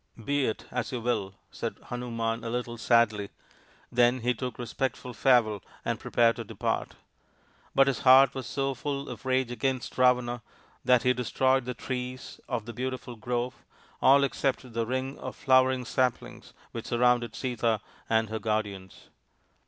" Be it as you will," said Hanuman a little sadly. Then he took a respectful farewell and prepared to depart. But his heart was so full of rage against Ravana that he destroyed the trees of the beautiful grove, all except the ring of flowering saplings which surrounded Sita and her guardians.